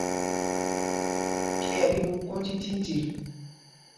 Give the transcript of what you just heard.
Pye ɛ tí ɓu kwōnj ndīndil.